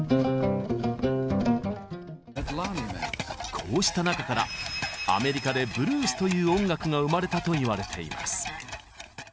こうした中からアメリカでブルースという音楽が生まれたといわれています。